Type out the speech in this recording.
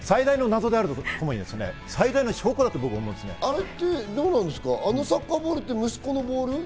そして最大の証拠だと思あのサッカーボールって息子のボール？